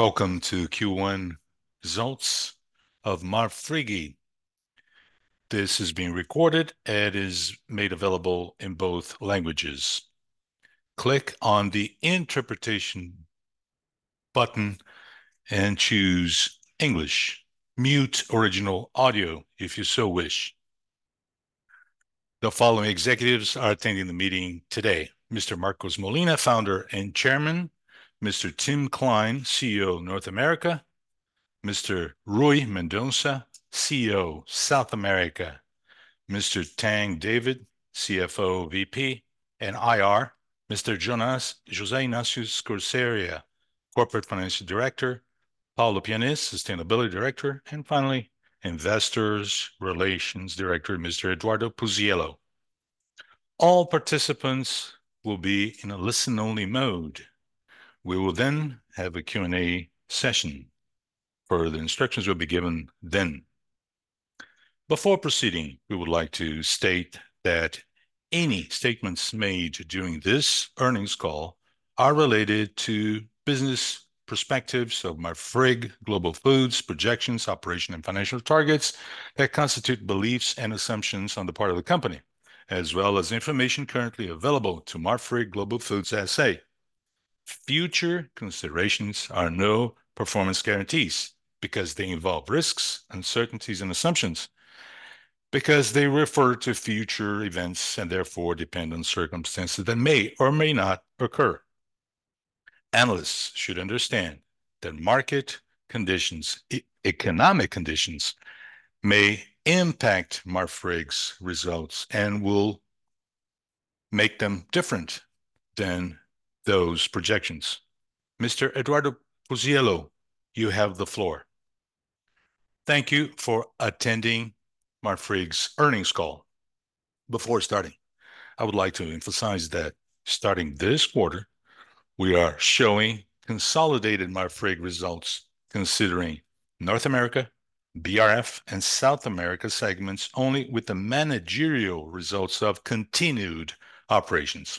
Welcome to Q1 results of Marfrig. This is being recorded and is made available in both languages. Click on the Interpretation button and choose English. Mute original audio if you so wish. The following executives are attending the meeting today: Mr. Marcos Molina, founder and chairman; Mr. Tim Klein, CEO, North America; Mr. Rui Mendonça, CEO, South America; Mr. Tang David, CFO, VP, and IR; Mr. José Ignácio Scoseria, Corporate Financial Director; Paulo Pianez, Sustainability Director; and finally, Investor Relations Director, Mr. Eduardo Puziello. All participants will be in a listen-only mode. We will then have a Q&A session. Further instructions will be given then. Before proceeding, we would like to state that any statements made during this earnings call are related to business perspectives of Marfrig Global Foods, projections, operation, and financial targets that constitute beliefs and assumptions on the part of the company, as well as information currently available to Marfrig Global Foods S.A. Future considerations are no performance guarantees because they involve risks, uncertainties, and assumptions, because they refer to future events and therefore depend on circumstances that may or may not occur. Analysts should understand that market conditions, economic conditions may impact Marfrig's results and will make them different than those projections. Mr. Eduardo Puziello, you have the floor. Thank you for attending Marfrig's earnings call. Before starting, I would like to emphasize that starting this quarter, we are showing consolidated Marfrig results, considering North America, BRF, and South America segments only with the managerial results of continued operations.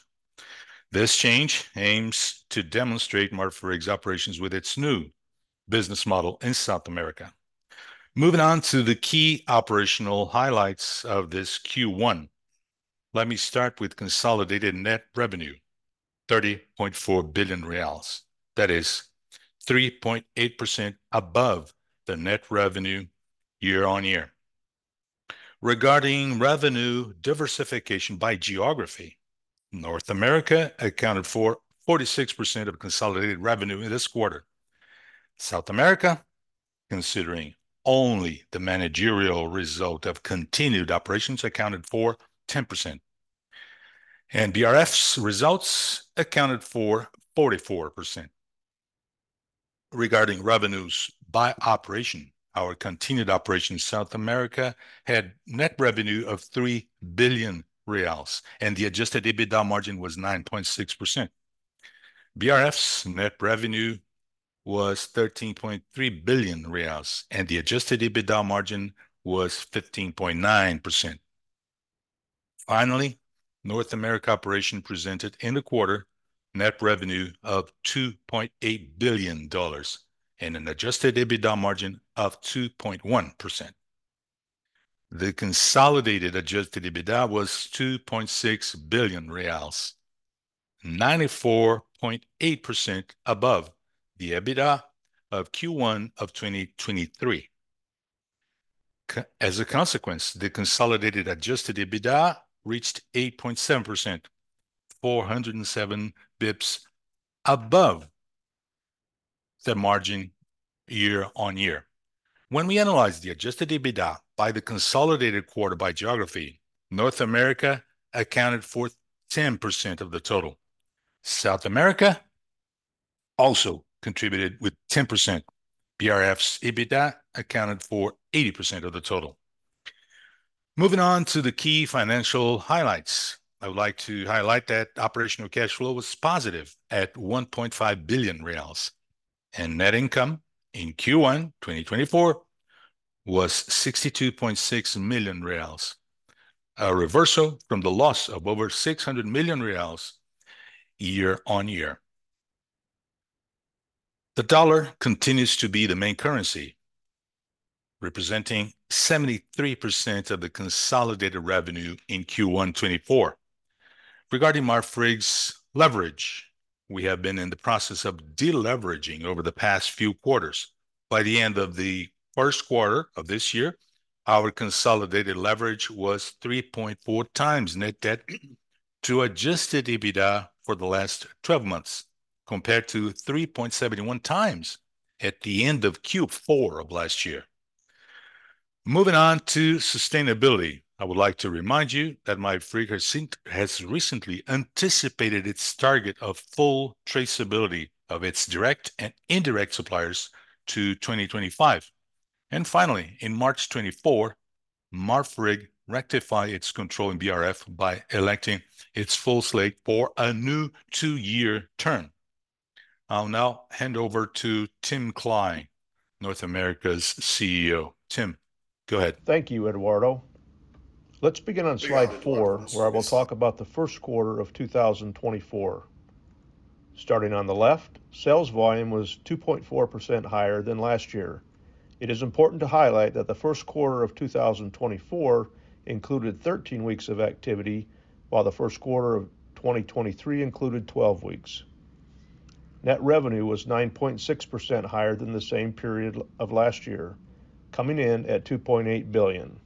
This change aims to demonstrate Marfrig's operations with its new business model in South America. Moving on to the key operational highlights of this Q1, let me start with consolidated net revenue, R$30.4 billion. That is 3.8% above the net revenue year-on-year. Regarding revenue diversification by geography, North America accounted for 46% of consolidated revenue this quarter. South America, considering only the managerial result of continued operations, accounted for 10%, and BRF's results accounted for 44%. Regarding revenues by operation, our continued operation in South America had net revenue of R$3 billion, and the Adjusted EBITDA margin was 9.6%. BRF's net revenue was R$13.3 billion, and the Adjusted EBITDA margin was 15.9%. Finally, North America operation presented in the quarter net revenue of $2.8 billion and an Adjusted EBITDA margin of 2.1%. The consolidated adjusted EBITDA was 2.6 billion reais, 94.8% above the EBITDA of Q1 of 2023. As a consequence, the consolidated adjusted EBITDA reached 8.7%, 407 basis points above the margin year-over-year. When we analyze the adjusted EBITDA by the consolidated quarter by geography, North America accounted for 10% of the total. South America also contributed with 10%. BRF's EBITDA accounted for 80% of the total. Moving on to the key financial highlights, I would like to highlight that operational cash flow was positive at 1.5 billion reais, and net income in Q1 2024 was 62.6 million reais, a reversal from the loss of over 600 million reais year-over-year. The dollar continues to be the main currency, representing 73% of the consolidated revenue in Q1 2024. Regarding Marfrig's leverage, we have been in the process of de-leveraging over the past few quarters. By the end of the first quarter of this year, our consolidated leverage was 3.4 times net debt to Adjusted EBITDA for the last twelve months, compared to 3.71 times at the end of Q4 of last year. Moving on to sustainability, I would like to remind you that Marfrig has recently anticipated its target of full traceability of its direct and indirect suppliers to 2025. Finally, in March 2024, Marfrig ratified its control in BRF by electing its full slate for a new two-year term. I'll now hand over to Tim Klein, North America's CEO. Tim, go ahead. Thank you, Eduardo. Let's begin on slide 4, where I will talk about the first quarter of 2024. Starting on the left, sales volume was 2.4% higher than last year. It is important to highlight that the first quarter of 2024 included 13 weeks of activity, while the first quarter of 2023 included 12 weeks. Net revenue was 9.6% higher than the same period of last year, coming in at $2.8 billion.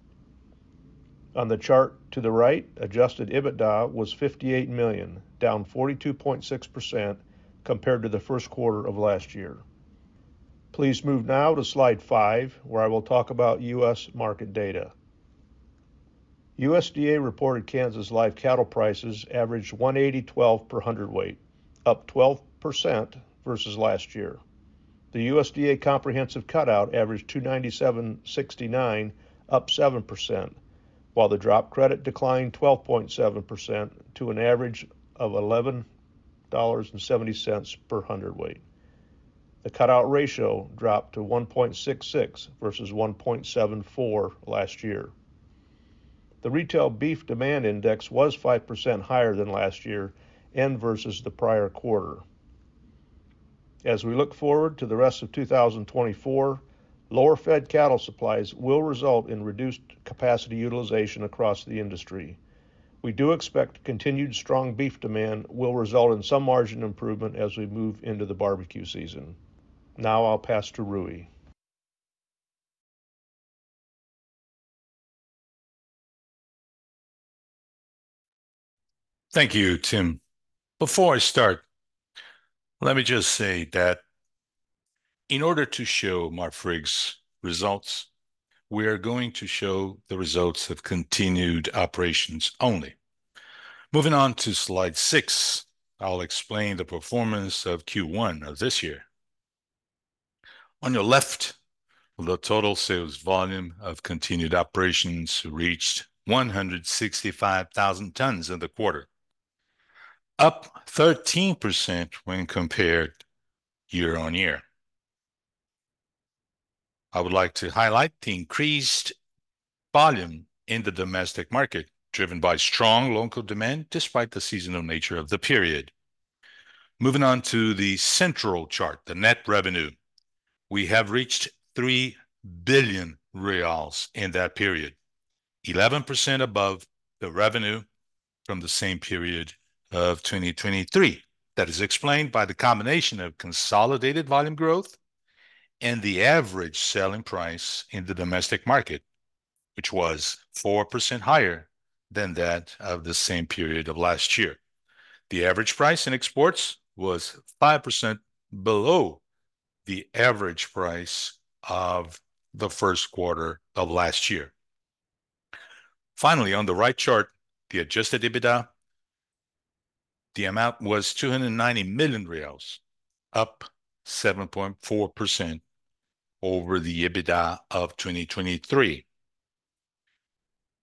On the chart to the right, Adjusted EBITDA was $58 million, down 42.6% compared to the first quarter of last year. Please move now to slide 5, where I will talk about U.S. market data. USDA reported Kansas live cattle prices averaged $180.12 per hundredweight, up 12% versus last year. The USDA comprehensive cutout averaged $297.69, up 7%, while the drop credit declined 12.7% to an average of $11.70 per hundredweight. The cutout ratio dropped to 1.66 versus 1.74 last year. The retail beef demand index was 5% higher than last year and versus the prior quarter. As we look forward to the rest of 2024, lower fed cattle supplies will result in reduced capacity utilization across the industry. We do expect continued strong beef demand will result in some margin improvement as we move into the barbecue season. Now I'll pass to Rui. Thank you, Tim. Before I start, let me just say that in order to show Marfrig's results, we are going to show the results of continued operations only. Moving on to slide six, I'll explain the performance of Q1 of this year. On your left, the total sales volume of continued operations reached 165,000 tons in the quarter, up 13% when compared year-on-year. I would like to highlight the increased volume in the domestic market, driven by strong local demand, despite the seasonal nature of the period. Moving on to the central chart, the net revenue. We have reached 3 billion reais in that period, 11% above the revenue from the same period of 2023. That is explained by the combination of consolidated volume growth and the average selling price in the domestic market, which was 4% higher than that of the same period of last year. The average price in exports was 5% below the average price of the first quarter of last year. Finally, on the right chart, the Adjusted EBITDA, the amount was BRL 290 million, up 7.4% over the EBITDA of 2023.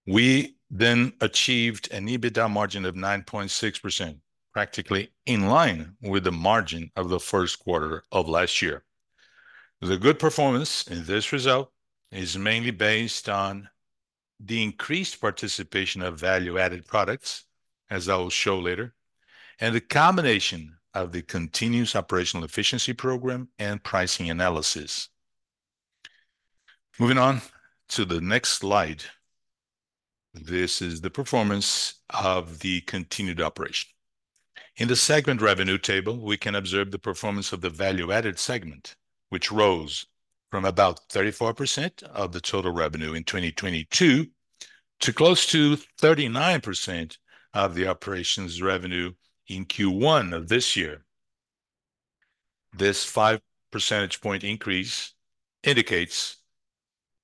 We then achieved an EBITDA margin of 9.6%, practically in line with the margin of the first quarter of last year. The good performance in this result is mainly based on the increased participation of value-added products, as I will show later, and the combination of the continuous operational efficiency program and pricing analysis. Moving on to the next slide. This is the performance of the continued operation. In the segment revenue table, we can observe the performance of the value-added segment, which rose from about 34% of the total revenue in 2022 to close to 39% of the operations revenue in Q1 of this year. This five percentage point increase indicates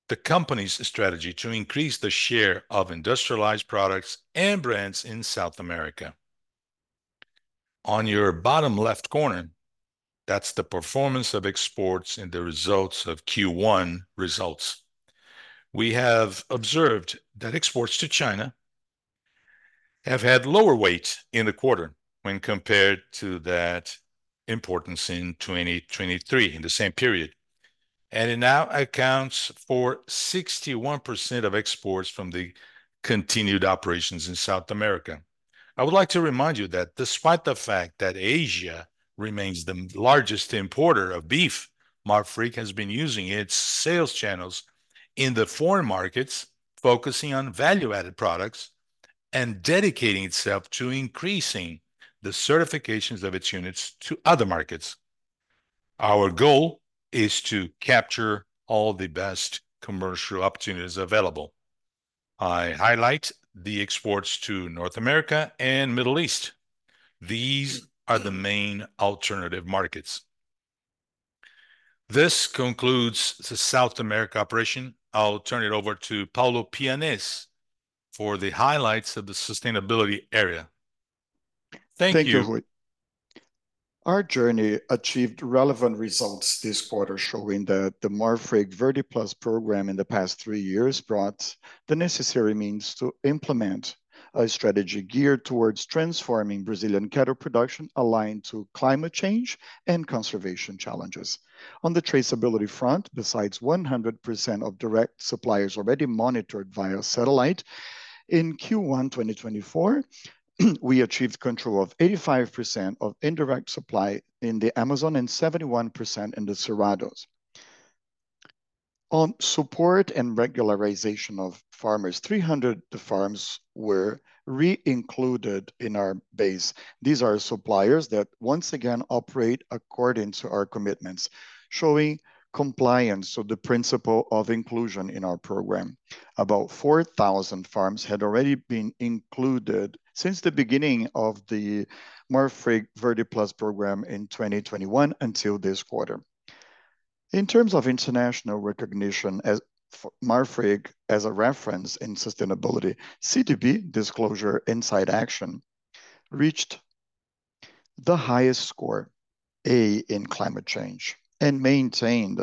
the company's strategy to increase the share of industrialized products and brands in South America. On your bottom left corner, that's the performance of exports and the results of Q1 results. We have observed that exports to China have had lower weights in the quarter when compared to that importance in 2023, in the same period, and it now accounts for 61% of exports from the continued operations in South America. I would like to remind you that despite the fact that Asia remains the largest importer of beef, Marfrig has been using its sales channels in the foreign markets, focusing on value-added products and dedicating itself to increasing the certifications of its units to other markets. Our goal is to capture all the best commercial opportunities available. I highlight the exports to North America and Middle East. These are the main alternative markets. This concludes the South America operation. I'll turn it over to Paulo Pianesi for the highlights of the sustainability area. Thank you. Our journey achieved relevant results this quarter, showing that the Marfrig Verde Plus program in the past 3 years brought the necessary means to implement a strategy geared towards transforming Brazilian cattle production, aligned to climate change and conservation challenges. On the traceability front, besides 100% of direct suppliers already monitored via satellite, in Q1 2024, we achieved control of 85% of indirect supply in the Amazon, and 71% in the Cerrado. On support and regularization of farmers, 300 farms were re-included in our base. These are suppliers that once again operate according to our commitments, showing compliance of the principle of inclusion in our program. About 4,000 farms had already been included since the beginning of the Marfrig Verde Plus program in 2021 until this quarter. In terms of international recognition, as for Marfrig as a reference in sustainability, CDP Disclosure Insight Action reached the highest score, A, in climate change, and maintained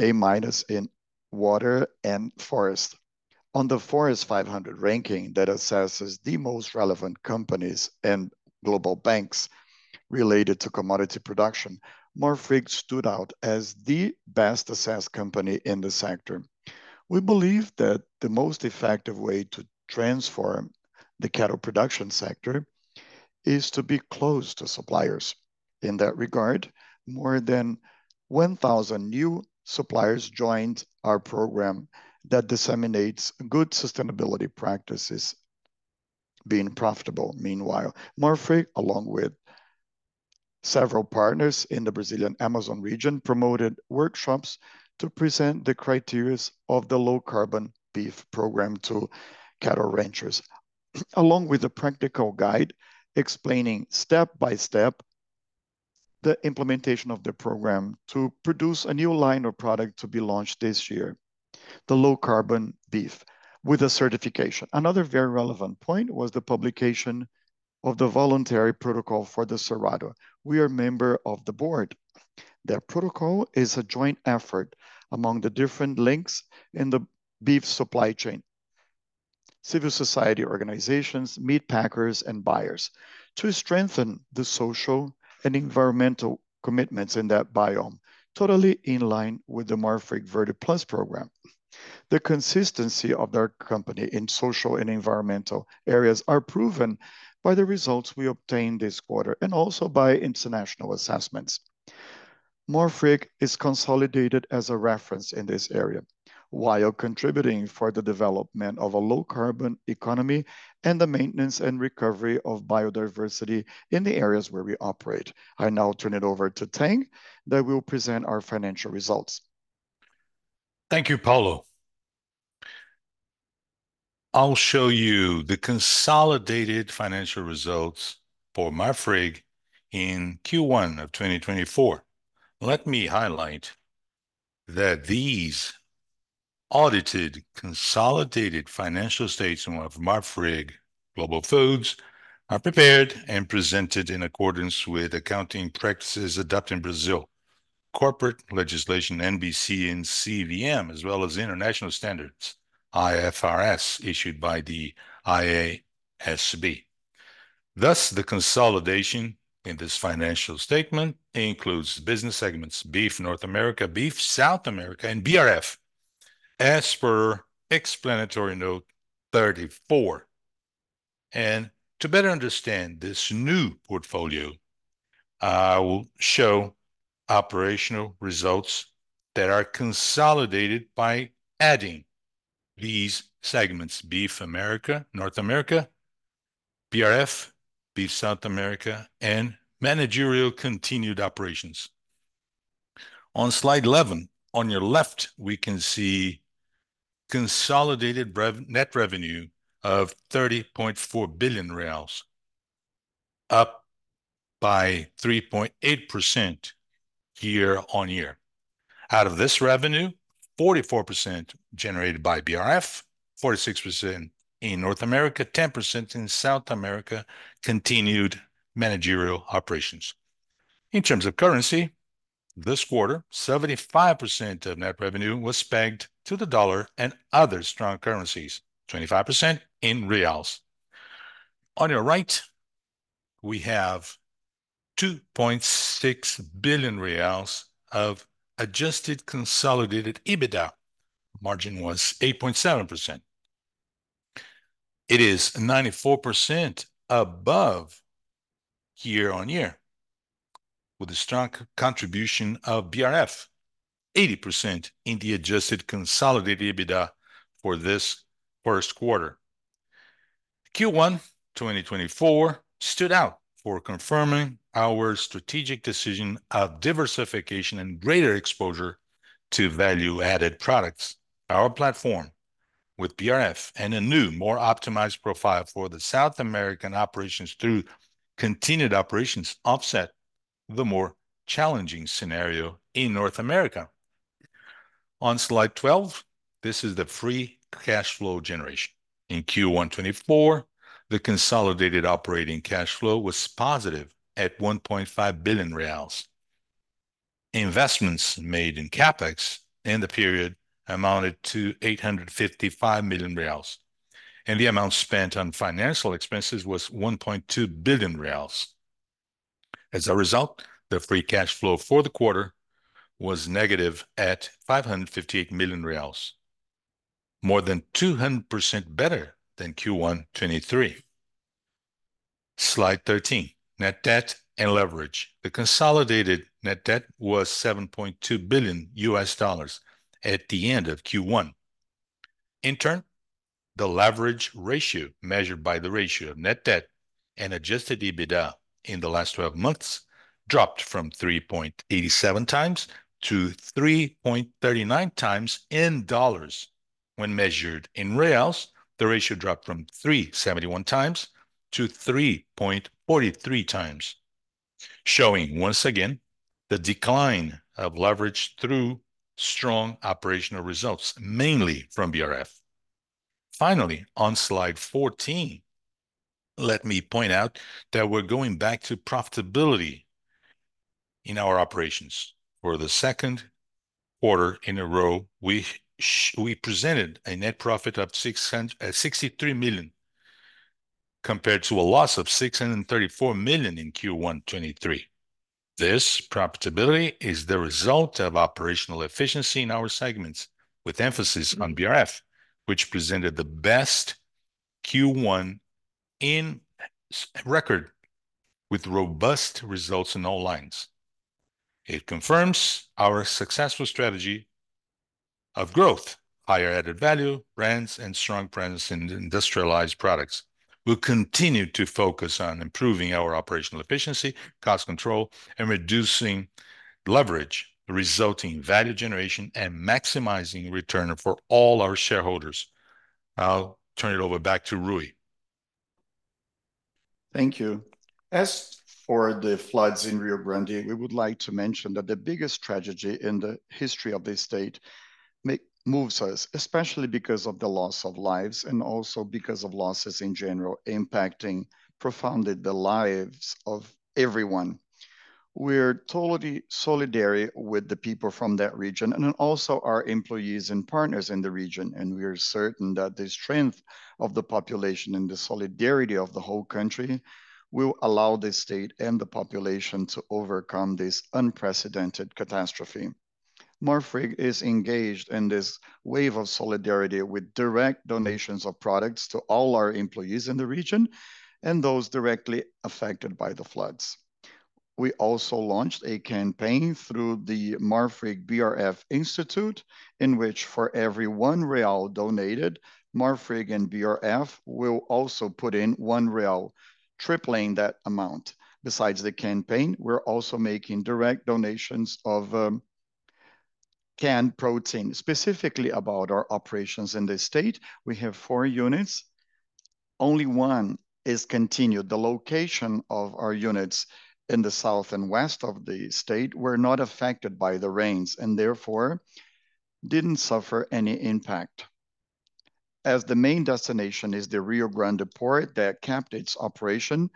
A- in water and forest. On the Forest 500 ranking that assesses the most relevant companies and global banks related to commodity production, Marfrig stood out as the best-assessed company in the sector. We believe that the most effective way to transform the cattle production sector is to be close to suppliers. In that regard, more than 1,000 new suppliers joined our program that disseminates good sustainability practices, being profitable. Meanwhile, Marfrig, along with several partners in the Brazilian Amazon region, promoted workshops to present the criteria of the low-carbon beef program to cattle ranchers, along with a practical guide explaining step by step the implementation of the program to produce a new line of product to be launched this year, the low-carbon beef, with a certification. Another very relevant point was the publication of the voluntary protocol for the Cerrado. We are member of the board. Their protocol is a joint effort among the different links in the beef supply chain, civil society organizations, meat packers, and buyers, to strengthen the social and environmental commitments in that biome, totally in line with the Marfrig Verde Plus program. The consistency of their company in social and environmental areas are proven by the results we obtained this quarter, and also by international assessments. Marfrig is consolidated as a reference in this area, while contributing for the development of a low-carbon economy and the maintenance and recovery of biodiversity in the areas where we operate. I now turn it over to Tang, that will present our financial results. Thank you, Paulo. I'll show you the consolidated financial results for Marfrig in Q1 of 2024. Let me highlight that these audited, consolidated financial statements of Marfrig Global Foods are prepared and presented in accordance with accounting practices adopted in Brazil. Corporate legislation, NBC and CVM, as well as international standards, IFRS, issued by the IASB. Thus, the consolidation in this financial statement includes business segments, Beef North America, Beef South America, and BRF, as per explanatory note 34. To better understand this new portfolio, I will show operational results that are consolidated by adding these segments: Beef America, North America, BRF, Beef South America, and managerial continued operations. On slide 11, on your left, we can see consolidated revenue of 30.4 billion reais, up by 3.8% year-on-year. Out of this revenue, 44% generated by BRF, 46% in North America, 10% in South America, continued operations. In terms of currency, this quarter, 75% of net revenue was pegged to the dollar and other strong currencies, 25% in reals. On your right, we have 2.6 billion reais of adjusted consolidated EBITDA. Margin was 8.7%. It is 94% above year-on-year, with a strong contribution of BRF, 80% in the adjusted consolidated EBITDA for this first quarter. Q1, 2024, stood out for confirming our strategic decision of diversification and greater exposure to value-added products. Our platform with BRF and a new, more optimized profile for the South American operations through continued operations, offset the more challenging scenario in North America. On Slide 12, this is the free cash flow generation. In Q1 2024, the consolidated operating cash flow was positive at 1.5 billion reais. Investments made in CapEx in the period amounted to 855 million reais, and the amount spent on financial expenses was 1.2 billion reais. As a result, the free cash flow for the quarter was negative at 558 million reais, more than 200% better than Q1 2023. Slide 13, net debt and leverage. The consolidated net debt was $7.2 billion at the end of Q1. In turn, the leverage ratio, measured by the ratio of net debt and adjusted EBITDA in the last twelve months, dropped from 3.87x to 3.39x in dollars. When measured in reals, the ratio dropped from 3.71 times to 3.43 times, showing once again the decline of leverage through strong operational results, mainly from BRF. Finally, on Slide 14, let me point out that we're going back to profitability in our operations. For the second quarter in a row, we presented a net profit of 63 million, compared to a loss of 634 million in Q1 2023. This profitability is the result of operational efficiency in our segments, with emphasis on BRF, which presented the best Q1 on record, with robust results in all lines. It confirms our successful strategy of growth, higher added-value brands, and strong presence in industrialized products. We'll continue to focus on improving our operational efficiency, cost control, and reducing leverage, resulting in value generation and maximizing return for all our shareholders. I'll turn it over back to Rui. Thank you. As for the floods in Rio Grande, we would like to mention that the biggest tragedy in the history of this state moves us, especially because of the loss of lives, and also because of losses in general, impacting profoundly the lives of everyone. We're totally solidary with the people from that region, and then also our employees and partners in the region, and we are certain that the strength of the population and the solidarity of the whole country will allow the state and the population to overcome this unprecedented catastrophe. Marfrig is engaged in this wave of solidarity with direct donations of products to all our employees in the region and those directly affected by the floods. We also launched a campaign through the Marfrig BRF Institute, in which for every 1 real donated, Marfrig and BRF will also put in 1 real, tripling that amount. Besides the campaign, we're also making direct donations of canned protein. Specifically about our operations in the state, we have 4 units. Only 1 is continued. The location of our units in the south and west of the state were not affected by the rains, and therefore didn't suffer any impact. As the main destination is the Rio Grande port that kept its operation,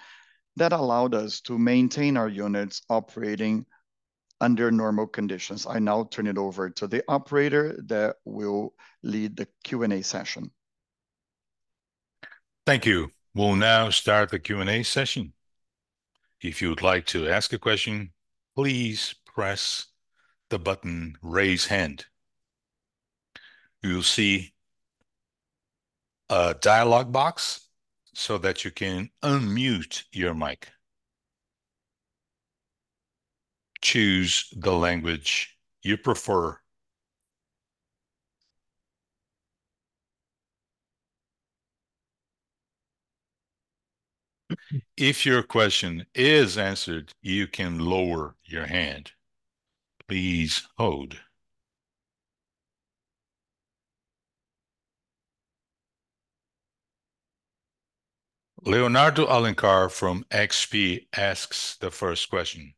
that allowed us to maintain our units operating under normal conditions. I now turn it over to the operator that will lead the Q&A session. Thank you. We'll now start the Q&A session. If you would like to ask a question, please press the button, Raise Hand. You'll see a dialog box so that you can unmute your mic. Choose the language you prefer. If your question is answered, you can lower your hand. Please hold. Leonardo Alencar from XP asks the first question.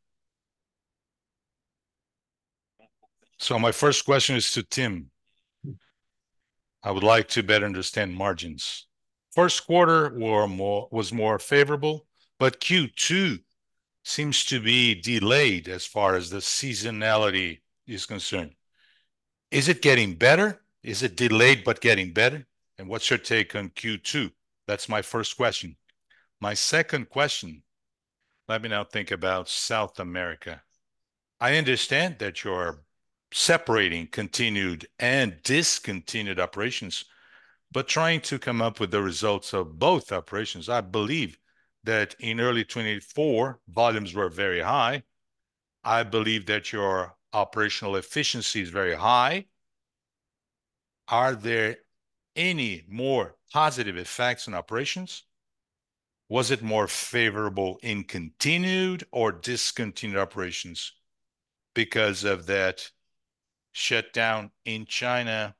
So my first question is to Tim. I would like to better understand margins. First quarter were more--was more favorable, but Q2 seems to be delayed as far as the seasonality is concerned. Is it getting better? Is it delayed but getting better, and what's your take on Q2? That's my first question. My second question, let me now think about South America. I understand that you're separating continued and discontinued operations, but trying to come up with the results of both operations, I believe that in early 2024, volumes were very high. I believe that your operational efficiency is very high. Are there any more positive effects on operations? Was it more favorable in continued or discontinued operations because of that shutdown in China?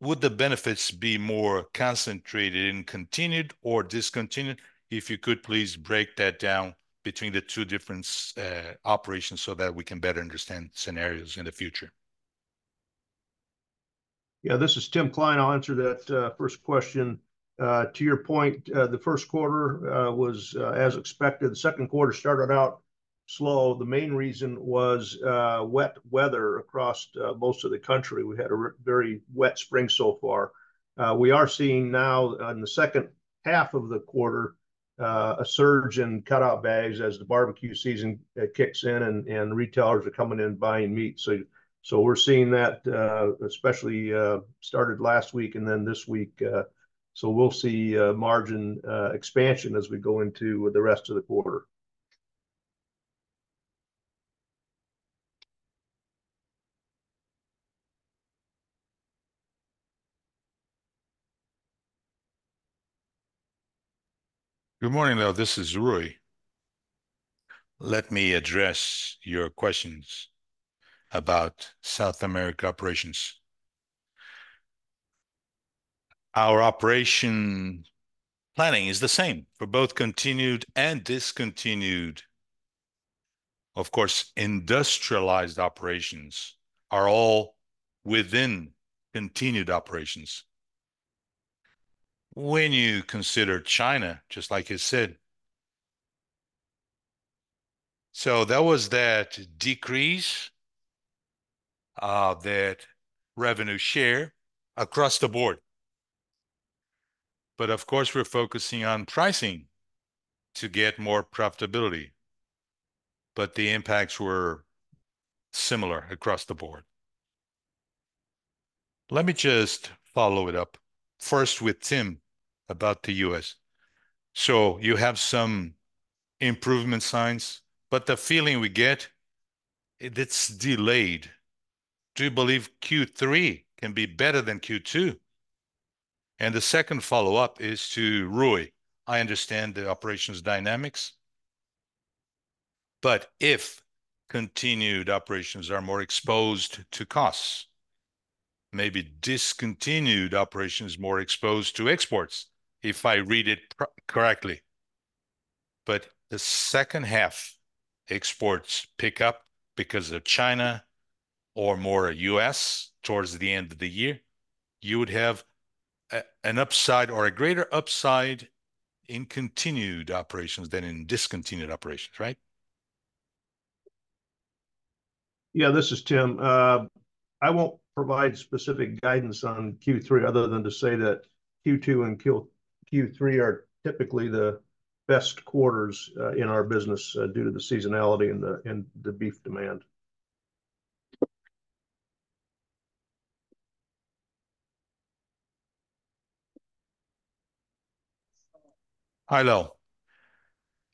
Would the benefits be more concentrated in continued or discontinued? If you could please break that down between the two different operations so that we can better understand scenarios in the future. Yeah, this is Tim Klein. I'll answer that first question. To your point, the first quarter was as expected. The second quarter started out slow. The main reason was wet weather across most of the country. We had a very wet spring so far. We are seeing now on the second half of the quarter a surge in cutout values as the barbecue season kicks in and retailers are coming in buying meat. So we're seeing that, especially started last week and then this week, so we'll see margin expansion as we go into the rest of the quarter. Good morning, though, this is Rui. Let me address your questions about South America operations. Our operation planning is the same for both continued and discontinued. Of course, industrialized operations are all within continued operations. When you consider China, just like you said. So there was that decrease of that revenue share across the board. But of course, we're focusing on pricing to get more profitability, but the impacts were similar across the board. Let me just follow it up first with Tim about the U.S. So you have some improvement signs, but the feeling we get, it's delayed. Do you believe Q3 can be better than Q2? And the second follow-up is to Rui. I understand the operations dynamics, but if continued operations are more exposed to costs, maybe discontinued operations more exposed to exports, if I read it properly. But the second half exports pick up because of China or more U.S. towards the end of the year, you would have an upside or a greater upside in continued operations than in discontinued operations, right? Yeah, this is Tim. I won't provide specific guidance on Q3 other than to say that Q2 and Q3 are typically the best quarters in our business due to the seasonality and the beef demand. Hi, Leo.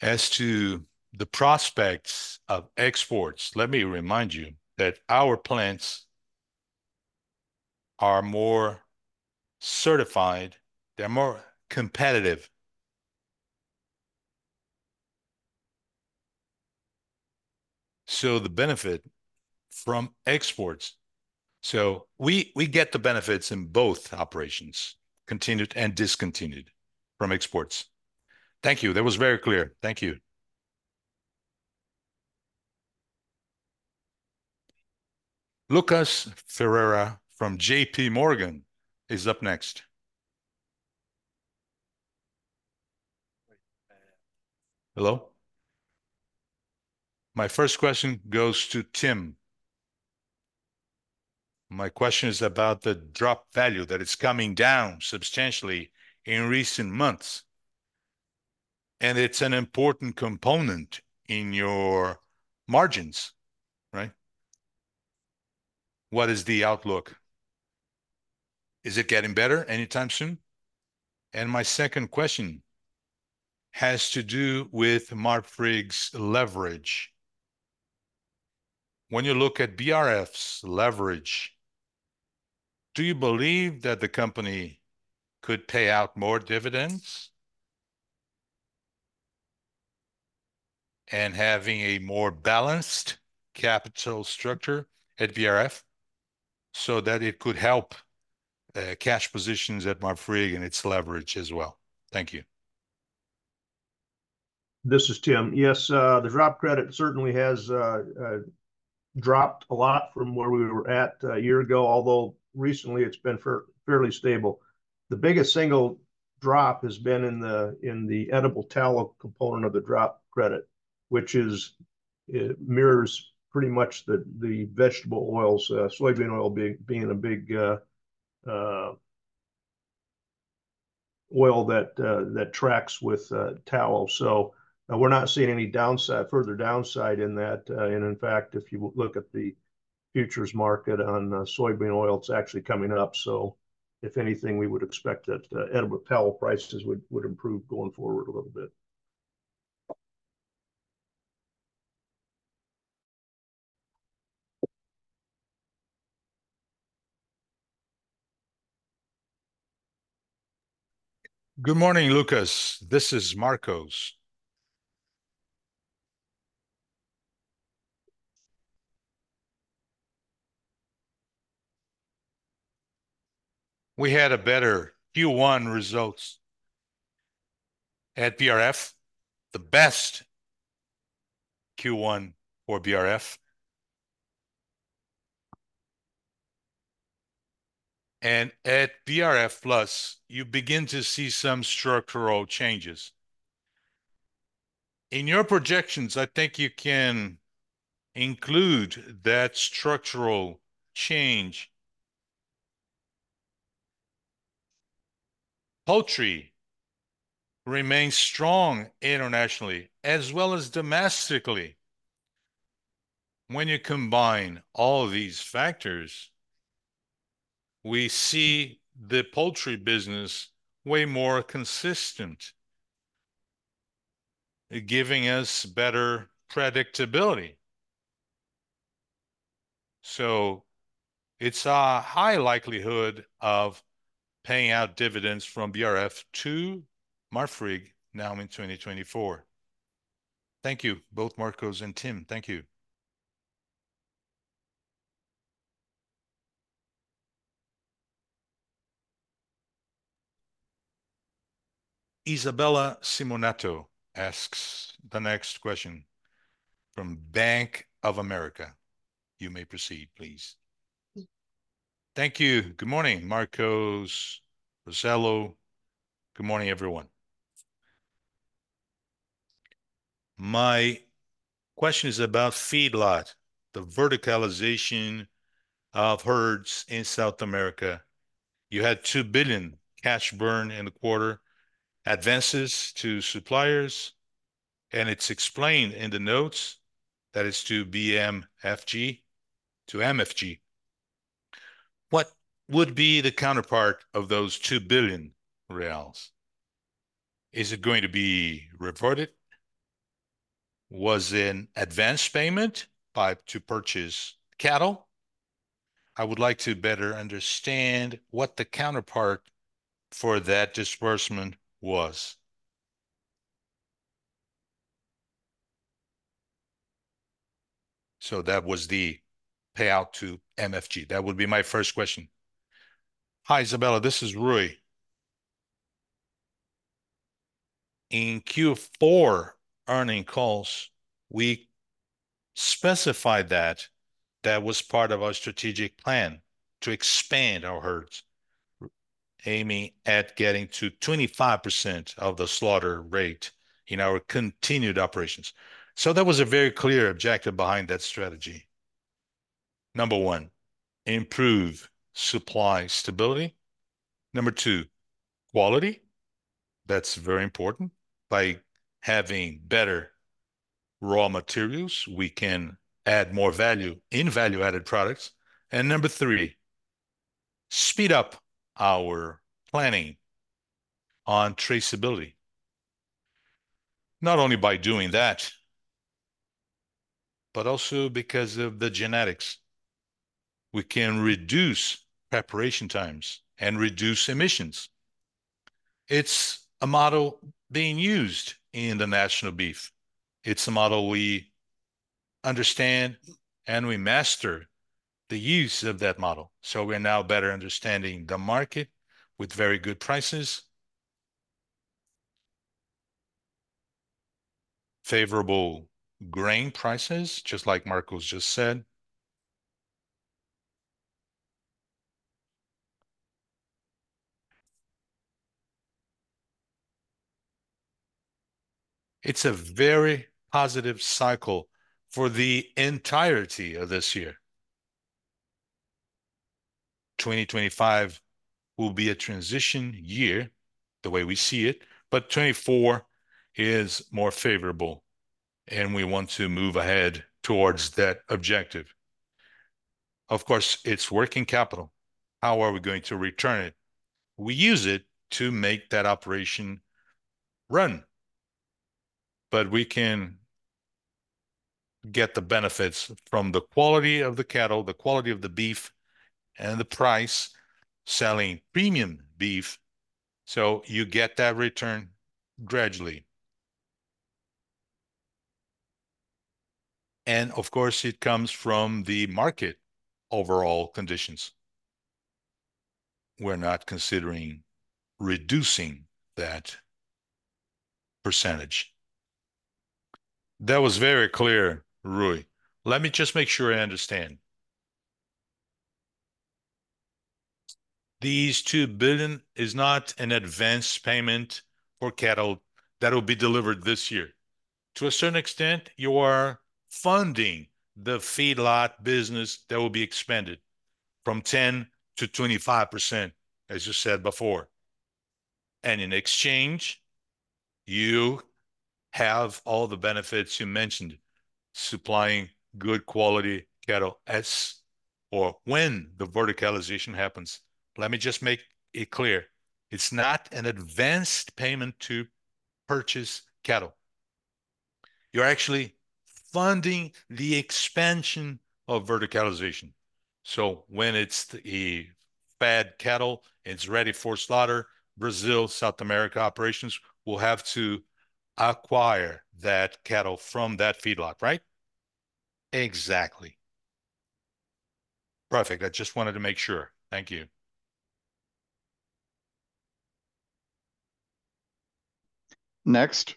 As to the prospects of exports, let me remind you that our plants are more certified, they're more competitive. So the benefit from exports. So we, we get the benefits in both operations, continued and discontinued from exports. Thank you. That was very clear. Thank you. Lucas Ferreira from JP Morgan is up next. Hello. My first question goes to Tim. My question is about the drop value, that it's coming down substantially in recent months, and it's an important component in your margins, right? What is the outlook? Is it getting better anytime soon? And my second question has to do with Marfrig's leverage. When you look at BRF's leverage, do you believe that the company could pay out more dividends? And having a more balanced capital structure at BRF so that it could help cash positions at Marfrig and its leverage as well. Thank you. This is Tim. Yes, the drop credit certainly has dropped a lot from where we were at a year ago, although recently it's been fairly stable. The biggest single drop has been in the edible tallow component of the drop credit, which is, it mirrors pretty much the vegetable oils, soybean oil being a big oil that tracks with tallow. So we're not seeing any further downside in that. And in fact, if you look at the futures market on soybean oil, it's actually coming up. So if anything, we would expect that edible tallow prices would improve going forward a little bit. Good morning, Lucas. This is Marcos. We had a better Q1 results at BRF, the best Q1 for BRF. And at BRF Plus, you begin to see some structural changes. In your projections, I think you can include that structural change. Poultry remains strong internationally as well as domestically. When you combine all these factors, we see the poultry business way more consistent, giving us better predictability. So it's a high likelihood of paying out dividends from BRF to Marfrig now in 2024. Thank you, both Marcos and Tim. Thank you. Isabella Simonato asks the next question from Bank of America. You may proceed, please. Thank you. Good morning, Marcos, Marcelo. Good morning, everyone. My question is about feedlot, the verticalization of herds in South America. You had 2 billion cash burn in the quarter, advances to suppliers, and it's explained in the notes that it's to BRF, to MFG. What would be the counterpart of those 2 billion reais? Is it going to be reported? Was it an advance payment by to purchase cattle? I would like to better understand what the counterpart for that disbursement was. So that was the payout to MFG. That would be my first question. Hi, Isabella, this is Rui. In Q4 earnings calls, we specified that that was part of our strategic plan, to expand our herds, aiming at getting to 25% of the slaughter rate in our continued operations. So that was a very clear objective behind that strategy. Number one, improve supply stability. Number two, quality. That's very important. By having better raw materials, we can add more value in value-added products. And number 3, speed up our planning on traceability. Not only by doing that, but also because of the genetics. We can reduce preparation times and reduce emissions. It's a model being used in the National Beef. It's a model we understand, and we master the use of that model, so we're now better understanding the market with very good prices, favorable grain prices, just like Marcos just said. It's a very positive cycle for the entirety of this year. 2025 will be a transition year, the way we see it, but 2024 is more favorable, and we want to move ahead towards that objective. Of course, it's working capital. How are we going to return it? We use it to make that operation run, but we can get the benefits from the quality of the cattle, the quality of the beef, and the price, selling premium beef, so you get that return gradually. And of course, it comes from the market overall conditions. We're not considering reducing that percentage. That was very clear, Rui. Let me just make sure I understand. These $2 billion is not an advance payment for cattle that will be delivered this year. To a certain extent, you are funding the feedlot business that will be expanded from 10%-25%, as you said before. And in exchange, you have all the benefits you mentioned, supplying good quality cattle as or when the verticalization happens. Let me just make it clear, it's not an advance payment to purchase cattle. You're actually funding the expansion of verticalization? When it's a fat cattle, it's ready for slaughter, Brazil South America operations will have to acquire that cattle from that feedlot, right? Exactly. Perfect. I just wanted to make sure. Thank you. Next,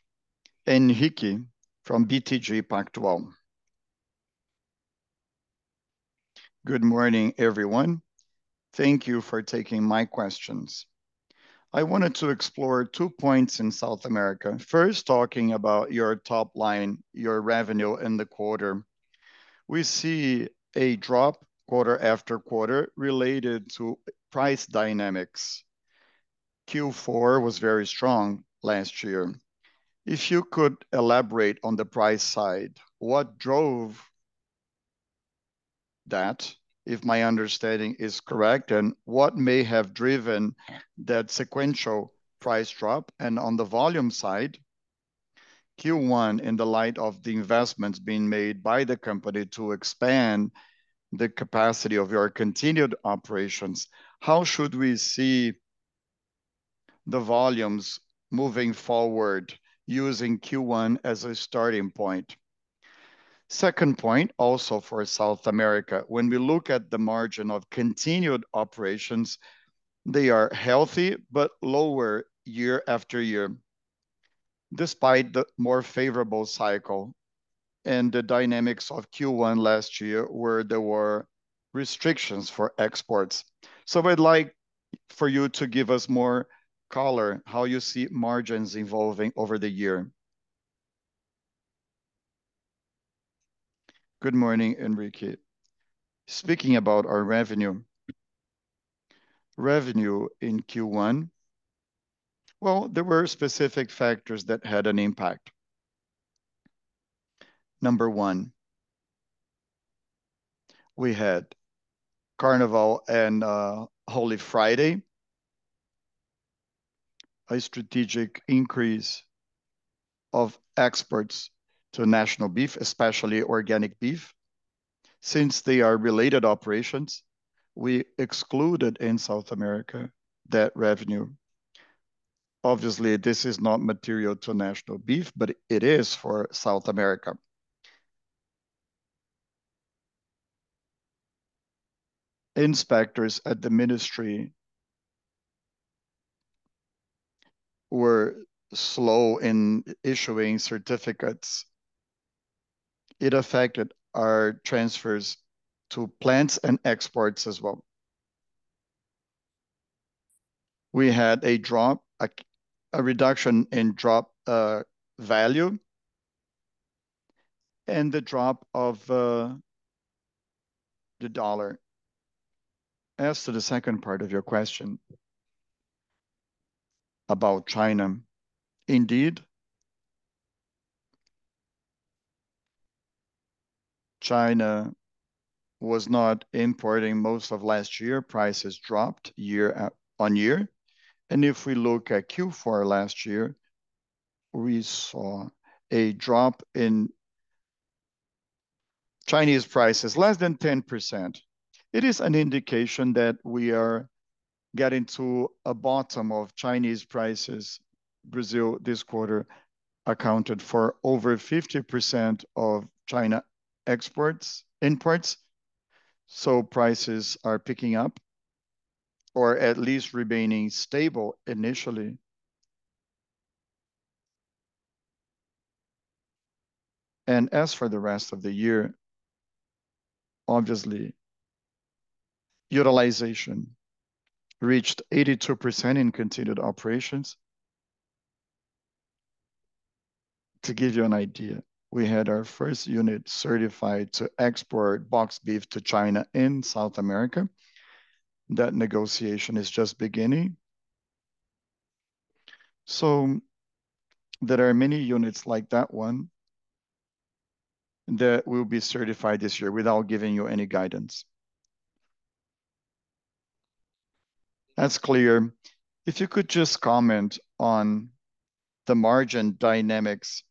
Henrique from BTG Pactual. Good morning, everyone. Thank you for taking my questions. I wanted to explore two points in South America. First, talking about your top line, your revenue in the quarter. We see a drop quarter after quarter related to price dynamics. Q4 was very strong last year. If you could elaborate on the price side, what drove that, if my understanding is correct, and what may have driven that sequential price drop? And on the volume side, Q1, in the light of the investments being made by the company to expand the capacity of your continued operations, how should we see the volumes moving forward using Q1 as a starting point? Second point, also for South America, when we look at the margin of continued operations, they are healthy but lower year after year, despite the more favorable cycle and the dynamics of Q1 last year, where there were restrictions for exports. So I'd like for you to give us more color, how you see margins evolving over the year. Good morning, Enrique. Speaking about our revenue, revenue in Q1, well, there were specific factors that had an impact. Number one, we had Carnival and Holy Friday, a strategic increase of exports to National Beef, especially organic beef. Since they are related operations, we excluded in South America that revenue. Obviously, this is not material to National Beef, but it is for South America. Inspectors at the ministry were slow in issuing certificates. It affected our transfers to plants and exports as well. We had a drop, a reduction in drop value, and the drop of the dollar. As to the second part of your question about China, indeed, China was not importing most of last year. Prices dropped year on year. If we look at Q4 last year, we saw a drop in Chinese prices less than 10%. It is an indication that we are getting to a bottom of Chinese prices. Brazil, this quarter, accounted for over 50% of China exports imports, so prices are picking up, or at least remaining stable initially. As for the rest of the year, obviously, utilization reached 82% in continued operations. To give you an idea, we had our first unit certified to export boxed beef to China in South America. That negotiation is just beginning. So there are many units like that one that will be certified this year, without giving you any guidance. That's clear. If you could just comment on the margin dynamics,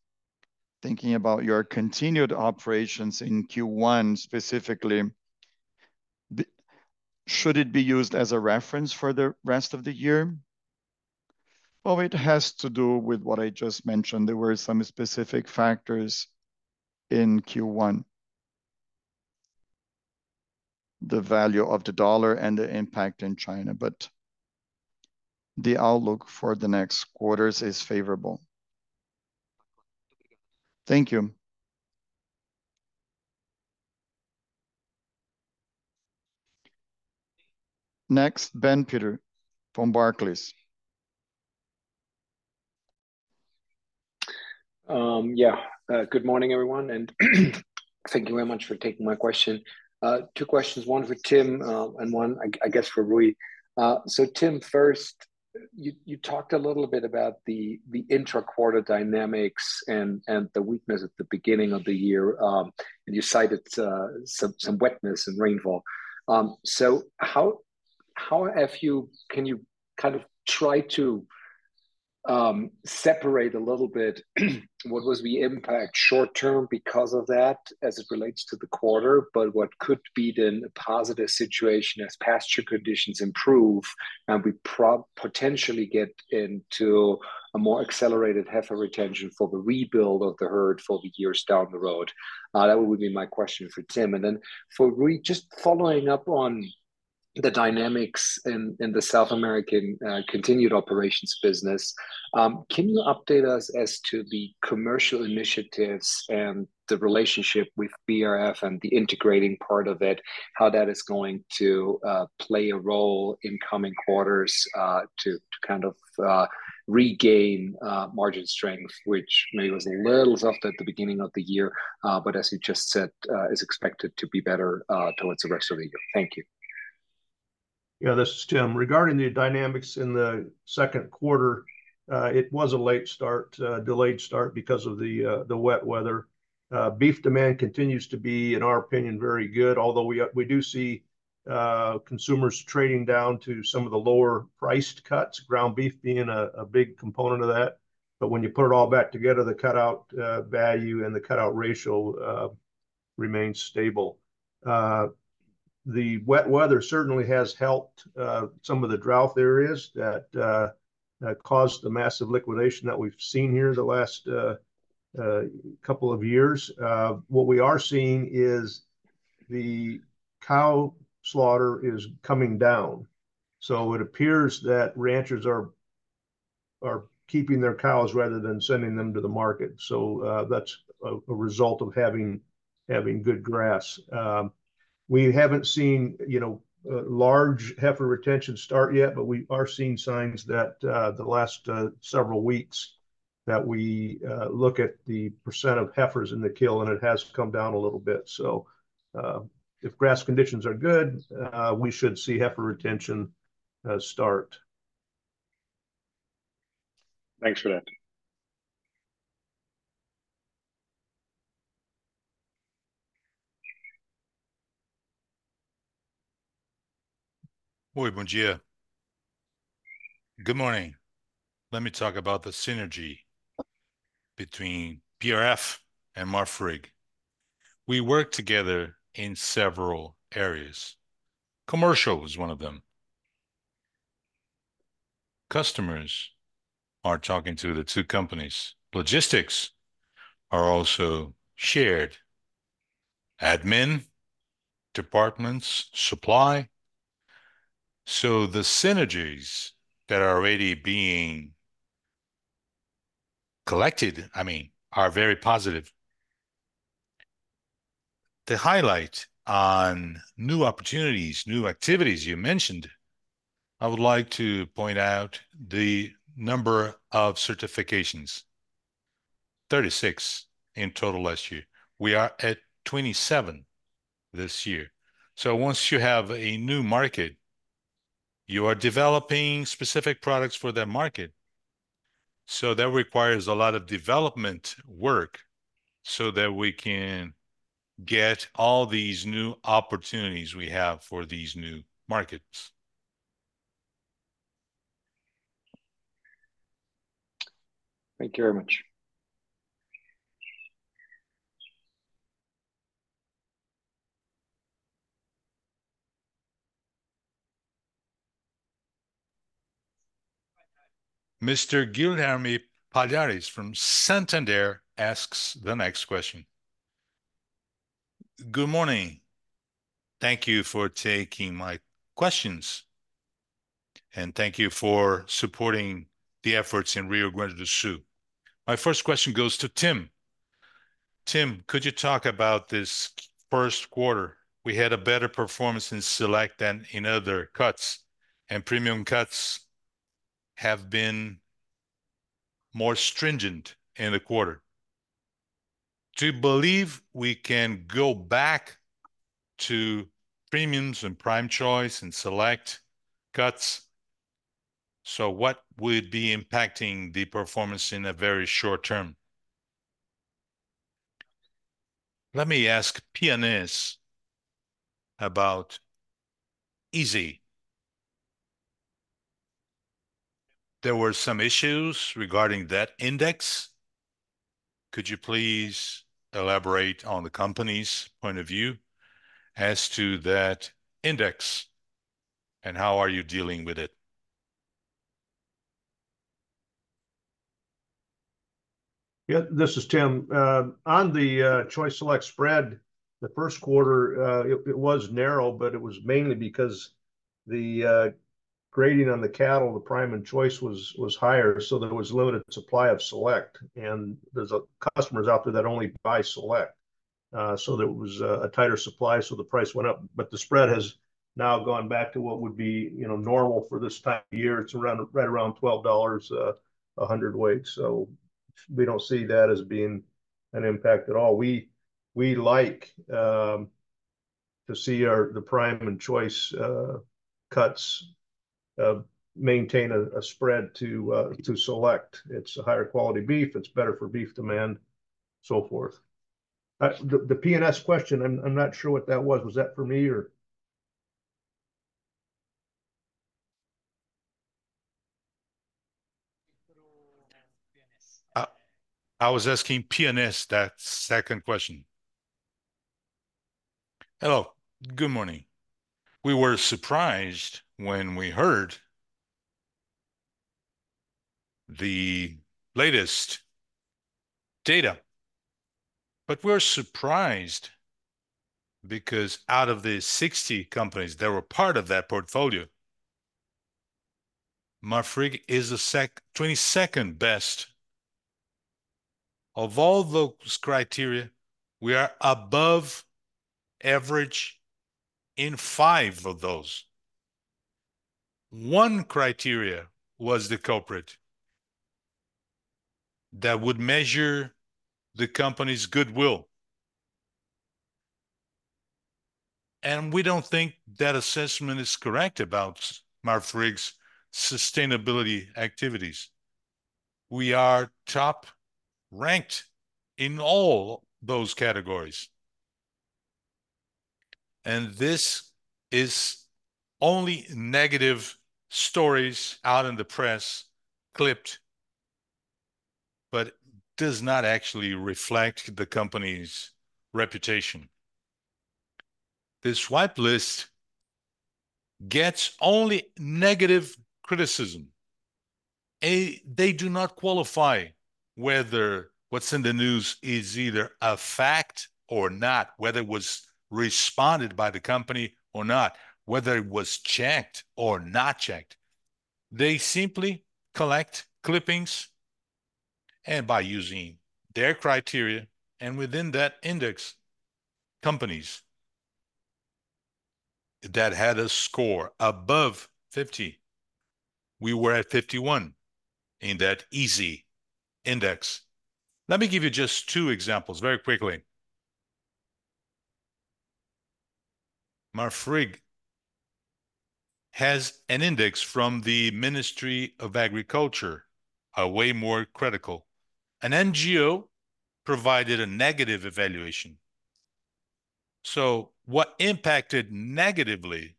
thinking about your Continued operations in Q1 specifically, should it be used as a reference for the rest of the year? Well, it has to do with what I just mentioned. There were some specific factors in Q1, the value of the US dollar and the impact in China, but the outlook for the next quarters is favorable. Thank you. Next, Ben Theurer, from Barclays. Yeah, good morning, everyone, and thank you very much for taking my question. Two questions, one for Tim, and one, I guess, for Rui. So Tim, first, you talked a little bit about the intra-quarter dynamics and the weakness at the beginning of the year, and you cited some wetness and rainfall. So how can you kind of try to separate a little bit what was the impact short-term because of that as it relates to the quarter, but what could be then a positive situation as pasture conditions improve, and we potentially get into a more accelerated heifer retention for the rebuild of the herd for the years down the road? That would be my question for Tim. Then for Rui, just following up on the dynamics in the South American continued operations business, can you update us as to the commercial initiatives and the relationship with BRF and the integrating part of it, how that is going to play a role in coming quarters, to kind of regain margin strength, which maybe was a little soft at the beginning of the year, but as you just said, is expected to be better towards the rest of the year? Thank you. Yeah, this is Tim. Regarding the dynamics in the second quarter, it was a late start, delayed start because of the wet weather. Beef demand continues to be, in our opinion, very good, although we do see consumers trading down to some of the lower-priced cuts, ground beef being a big component of that. But when you put it all back together, the cutout value and the cutout ratio remains stable. The wet weather certainly has helped some of the drought areas that caused the massive liquidation that we've seen here the last couple of years. What we are seeing is the cow slaughter is coming down, so it appears that ranchers are keeping their cows rather than sending them to the market. So, that's a result of having good grass. We haven't seen, you know, large heifer retention start yet, but we are seeing signs that the last several weeks, that we look at the percent of heifers in the kill, and it has come down a little bit. So, if grass conditions are good, we should see heifer retention start. Thanks for that. Oi, bom dia. Good morning. Let me talk about the synergy between BRF and Marfrig. We work together in several areas. Commercial is one of them. Customers are talking to the two companies. Logistics are also shared, admin, departments, supply. So the synergies that are already being collected, I mean, are very positive. To highlight on new opportunities, new activities you mentioned, I would like to point out the number of certifications, 36 in total last year. We are at 27 this year. So once you have a new market, you are developing specific products for that market, so that requires a lot of development work so that we can get all these new opportunities we have for these new markets. Thank you very much. Mr. Guilherme Palhares from Santander asks the next question. Good morning. Thank you for taking my questions, and thank you for supporting the efforts in Rio Grande do Sul. My first question goes to Tim. Tim, could you talk about this first quarter? We had a better performance in Select than in other cuts, and premium cuts have been more stringent in the quarter. Do you believe we can go back to premiums and Prime, Choice, and Select cuts? So what would be impacting the performance in a very short term? Let me ask about ESG. There were some issues regarding that index. Could you please elaborate on the company's point of view as to that index, and how are you dealing with it? Yeah, this is Tim. On the Choice/Select spread, the first quarter, it was narrow, but it was mainly because the grading on the cattle, the Prime and Choice was higher, so there was limited supply of Select. And there's customers out there that only buy Select. So there was a tighter supply, so the price went up, but the spread has now gone back to what would be, you know, normal for this time of year. It's around, right around $12 a hundredweight, so we don't see that as being an impact at all. We like to see our the Prime and Choice cuts maintain a spread to Select. It's a higher quality beef, it's better for beef demand, so for The E question, I'm not sure what that was. Was that for me or? I was asking P&S that second question. Hello, good morning. We were surprised when we heard the latest data, but we're surprised because out of the 60 companies that were part of that portfolio, Marfrig is the 22nd best. Of all those criteria, we are above average in 5 of those. One criteria was the culprit that would measure the company's goodwill, and we don't think that assessment is correct about Marfrig's sustainability activities. We are top-ranked in all those categories, and this is only negative stories out in the press clipped, but does not actually reflect the company's reputation. This swipe list gets only negative criticism. A, they do not qualify whether what's in the news is either a fact or not, whether it was responded by the company or not, whether it was checked or not checked. They simply collect clippings, and by using their criteria and within that index, companies that had a score above 50, we were at 51 in that ISE index. Let me give you just two examples very quickly. Marfrig has an index from the Ministry of Agriculture, are way more critical. An NGO provided a negative evaluation. So what impacted negatively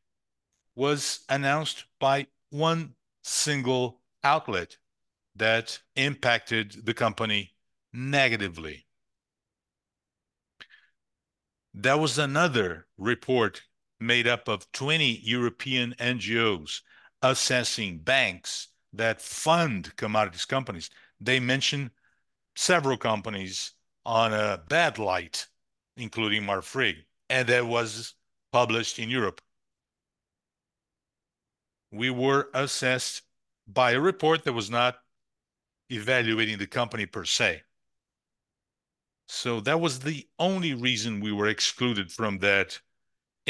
was announced by one single outlet that impacted the company negatively. There was another report made up of 20 European NGOs assessing banks that fund commodities companies. They mentioned several companies on a bad light, including Marfrig, and that was published in Europe. We were assessed by a report that was not evaluating the company per se. So that was the only reason we were excluded from that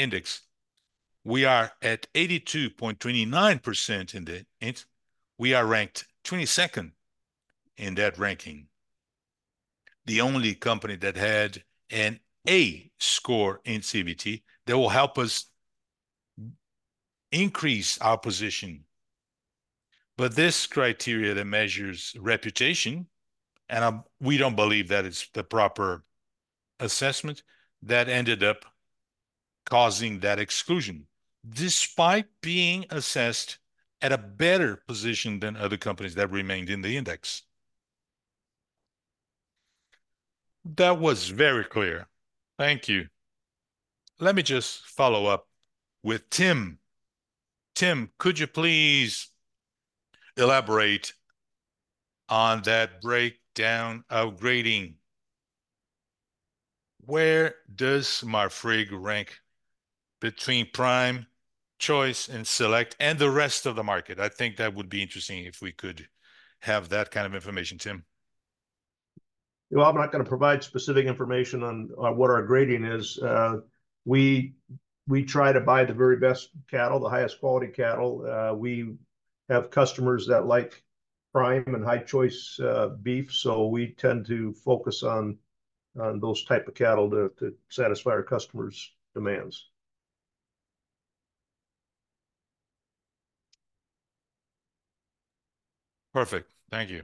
index. We are at 82.29%. We are ranked 22nd in that ranking. The only company that had an A score in CDP, that will help us increase our position. But this criteria that measures reputation, and we don't believe that it's the proper assessment that ended up causing that exclusion, despite being assessed at a better position than other companies that remained in the index. That was very clear. Thank you. Let me just follow up with Tim. Tim, could you please elaborate on that breakdown of grading? Where does Marfrig rank between prime, choice, and select, and the rest of the market? I think that would be interesting if we could have that kind of information, Tim. Well, I'm not gonna provide specific information on what our grading is. We try to buy the very best cattle, the highest quality cattle. We have customers that like prime and high choice beef, so we tend to focus on those type of cattle to satisfy our customers' demands. Perfect. Thank you.